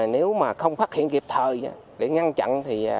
nếu mà không phát hiện kịp thời để ngăn chặn thì